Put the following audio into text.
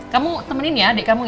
kamu temenin ya adik kamu